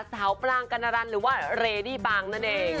สาวปลางกรรณรันดร์หรือว่าเรดี้ปางนั่นเอง